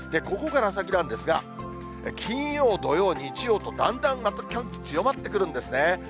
ここから先なんですが、金曜、土曜、日曜とだんだんまた寒気強まってくるんですね。